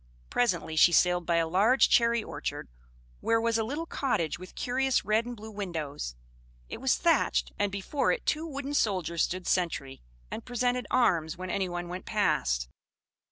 Presently she sailed by a large cherry orchard, where was a little cottage with curious red and blue windows; it was thatched, and before it two wooden soldiers stood sentry, and presented arms when anyone went past.